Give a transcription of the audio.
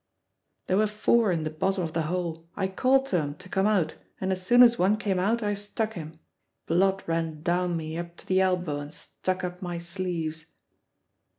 "There were four in the bottom of the hole. I called to 'em to come out, and as soon as one came out I stuck him. Blood ran down me up to the elbow and stuck up my sleeves."